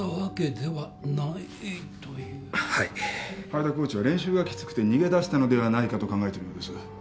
灰田コーチは練習がきつくて逃げ出したのではないかと考えているようです。